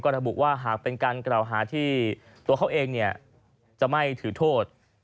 ระบุว่าหากเป็นการกล่าวหาที่ตัวเขาเองจะไม่ถือโทษ